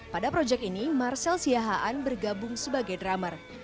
pada proyek ini marcel siahaan bergabung sebagai drummer